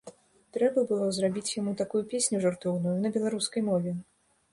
Трэба было зрабіць яму такую песню жартоўную, на беларускай мове.